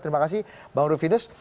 terima kasih bang rufinus